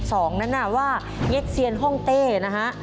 ทั้ง๑๒นั้นนะว่าเง็กเซียนโฮ่งเต้นะคะ